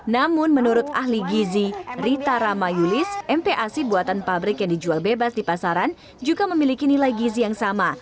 namun menurut ahli gizi rita ramayulis mpac buatan pabrik yang dijual bebas di pasaran juga memiliki nilai gizi yang sama